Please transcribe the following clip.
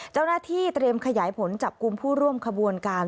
เจ้าหน้าที่เตรียมขยายผลจับกลุ่มผู้ร่วมขบวนการ